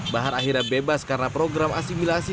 bahar akhirnya bebas karena program asimilasi